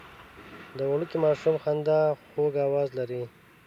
د وړوکي ماشوم خندا خوږ اواز لري.